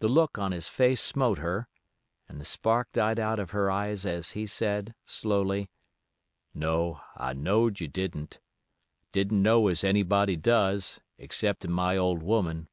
The look on his face smote her, and the spark died out of her eyes as he said, slowly: "No, I knowed you didn'! I don't know as anybody does, exceptin' my old woman.